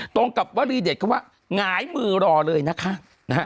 ตรงกับวรีเด็ดคำว่าหงายมือรอเลยนะคะ